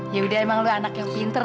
ya udah emang lu anak yang pinter